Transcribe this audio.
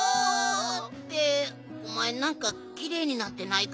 っておまえなんかきれいになってないか？